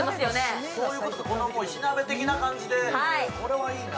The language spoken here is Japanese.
石鍋的な感じで、これはいいな。